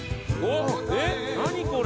何これ！